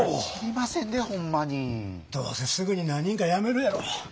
どうせすぐに何人かやめるやろ。